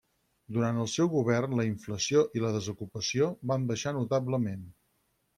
Durant el seu govern la inflació i la desocupació van baixar notablement.